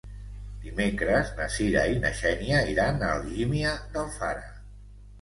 Dimecres na Cira i na Xènia iran a Algímia d'Alfara.